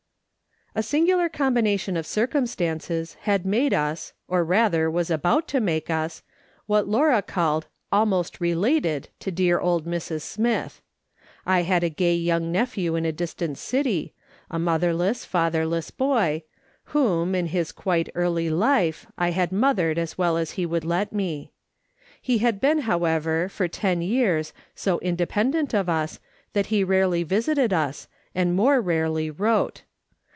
A singular combination of circumstances had made us, or rather was about to make us, what Laura called " almost related" to dear old Mrs. Smith. I had a gay young nephew in a distant city, a mother less, fatherless boy, whom, in his quite early life, I had mothered as Avell as he would let me. He had been, however, for ten years so independent of us that he rarely visited us, and more rarely wrote.